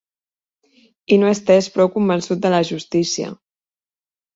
...i no estès prou convençut de la justícia